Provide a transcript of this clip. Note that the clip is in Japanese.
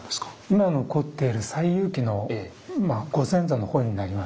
今残っている「西遊記」のご先祖の本になります。